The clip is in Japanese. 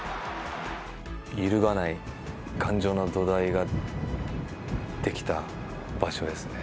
揺るがない頑丈な土台ができた場所ですね。